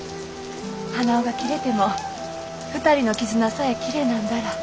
鼻緒が切れても２人の絆さえ切れなんだら。